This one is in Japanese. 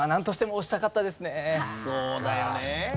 そうだよね。